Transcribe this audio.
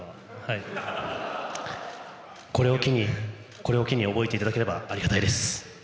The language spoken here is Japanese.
これを機に覚えていただければありがたいです。